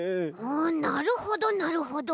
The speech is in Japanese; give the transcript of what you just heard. あなるほどなるほど。